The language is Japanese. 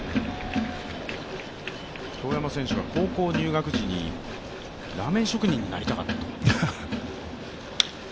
京山選手は高校入学時にラーメン職人になりたかったと。